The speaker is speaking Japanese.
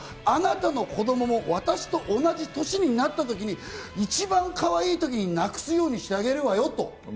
あなたの子供も私と同じ年になった時に一番かわいい時に亡くすようにしてあげるわよと。